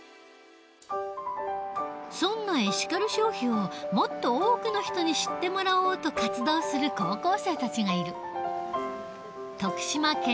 そんなエシカル消費をもっと多くの人に知ってもらおうと活動する高校生たちがいる。